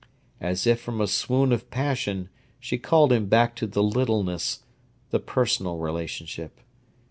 As if from a swoon of passion she caged him back to the littleness, the personal relationship.